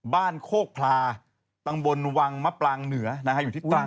โคกพลาตำบลวังมะปรางเหนืออยู่ที่ตรัง